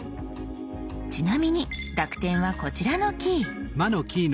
ちなみに濁点はこちらのキー。